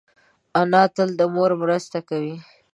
انا تل د مور مرسته کوي